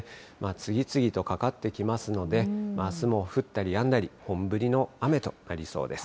次々とかかってきますので、あすも降ったりやんだり、本降りの雨となりそうです。